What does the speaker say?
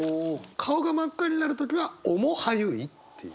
顔が真っ赤になる時は面映いっていう。